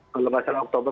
kalau gak salah oktober